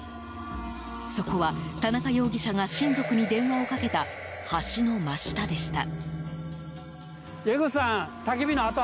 そこは、田中容疑者が親族に電話をかけた橋の真下でした。